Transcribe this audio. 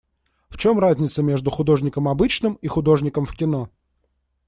В чем разница между художником обычным и художником в кино?